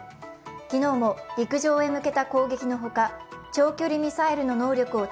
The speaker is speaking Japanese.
昨日も陸上へ向けた攻撃のほか長距離ミサイルの能力を